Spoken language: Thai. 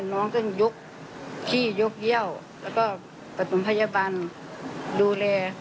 น้องก็ยกขี้ยกเยี่ยวแล้วก็ปฐมพยาบาลดูแล